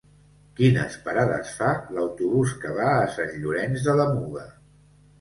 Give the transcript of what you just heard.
Quines parades fa l'autobús que va a Sant Llorenç de la Muga?